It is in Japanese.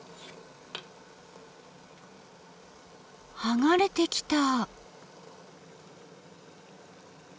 剥がれてきた。